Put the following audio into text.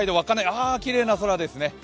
あ、きれいな空ですね。